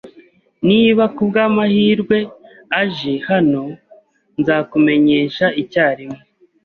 Niba kubwamahirwe aje hano, nzakumenyesha icyarimwe.